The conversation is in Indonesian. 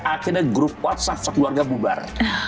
akhirnya grup whatsapp sekeluarga bubar